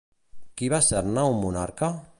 Qui va ser-ne un monarca?